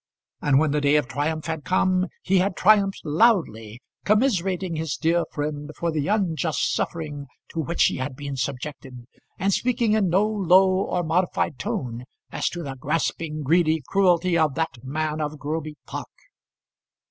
And when the day of triumph had come, he had triumphed loudly, commiserating his dear friend for the unjust suffering to which she had been subjected, and speaking in no low or modified tone as to the grasping, greedy cruelty of that man of Groby Park.